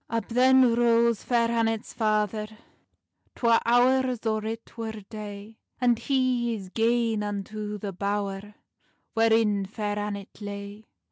Up then rose Fair Annet's father, Twa hours or it wer day, And he is gane unto the bower Wherein Fair Annet lay.